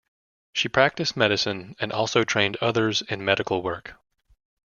She practised medicine and also trained others in medical work.